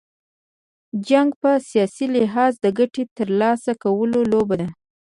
جنګ په سیاسي لحاظ، د ګټي تر لاسه کولو لوبه ده.